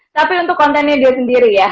tapi untuk kontennya dia sendiri ya